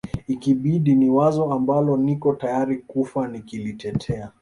ikibidi ni wazo ambalo niko tayari kufa nikilitetea